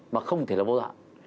mà không thể là vô dạng